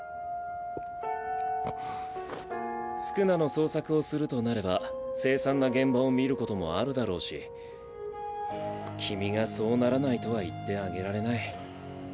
宿儺の捜索をするとなれば凄惨な現場を見ることもあるだろうし君がそうならないとは言ってあげられない。